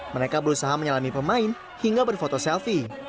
mereka berusaha menyelami pemain hingga berfoto selfie